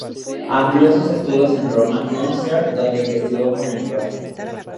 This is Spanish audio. Amplió sus estudios en Roma, Münster, donde investigó con el prof.